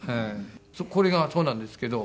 これがそうなんですけど。